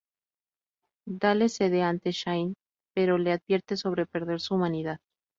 Dale cede ante Shane, pero le advierte sobre perder su humanidad.